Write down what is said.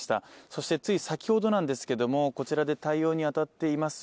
そしてつい先ほどなんですけどもこちらで対応にあたっています